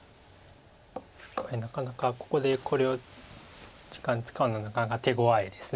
なかなかここで考慮時間使うのはなかなか手ごわいです。